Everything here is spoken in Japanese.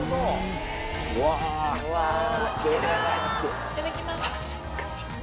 うわいただきます。